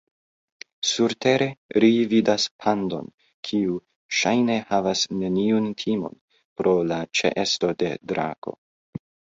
Surtere, ri vidas pandon, kiu ŝajne havas neniun timon pro la ĉeesto de drako.